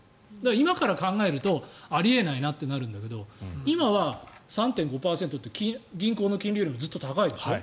今から考えるとあり得ないなってなるんだけど今は３．５％って銀行の金利よりもずっと高いでしょ？